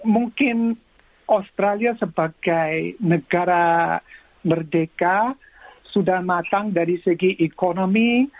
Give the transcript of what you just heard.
mungkin australia sebagai negara merdeka sudah matang dari segi ekonomi